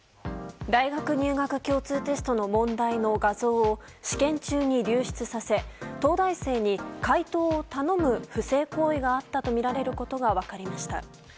大学入学共通テストの問題の画像を試験中に流出させ、東大生に解答を頼む不正行為があったとみられることが分かりました。